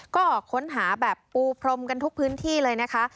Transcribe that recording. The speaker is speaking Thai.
ก็ค้นหาแบบปูพรมกันทุกพื้นที่เลยนะคะ